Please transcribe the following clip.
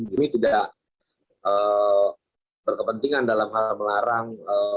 ini tidak berkepentingan dalam hal melarang